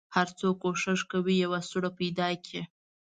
هر څوک کوښښ کوي یوه سوړه پیدا کړي.